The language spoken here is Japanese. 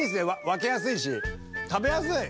分けやすいし食べやすい！